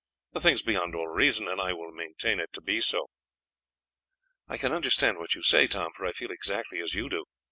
The thing is beyond all reason, and I will maintain it to be so." "I can understand what you say, Tom, for I feel exactly as you do.